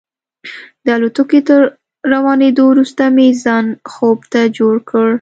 د الوتکې تر روانېدو وروسته مې ځان خوب ته جوړ کړ.